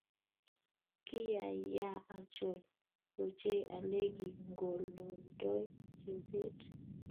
Kiyayaa achol ochei olegingololdoi Chebet